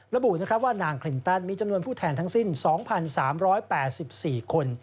ระบุว่านางคลินตันมีจำนวนผู้แทนทั้งสิ้น๒๓๘๔คน